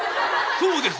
そうです